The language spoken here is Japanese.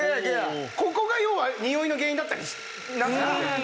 ここが要はにおいの原因だったり。